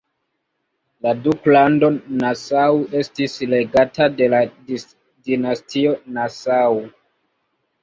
La duklando Nassau estis regata de la dinastio Nassau.